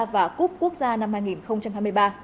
và cúp quốc gia năm hai nghìn hai mươi ba